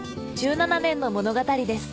１７年の物語です